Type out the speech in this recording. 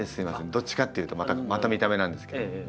どっちかっていうとまた見た目なんですけど。